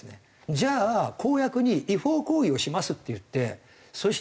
じゃあ公約に「違法行為をします」っていってそして当選しました。